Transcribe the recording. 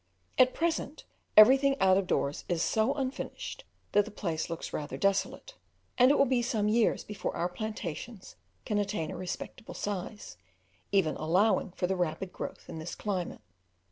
At present, everything out of doors is so unfinished that the place looks rather desolate, and it will be some years before our plantations can attain a respectable size, even allowing for the rapid growth in this climate.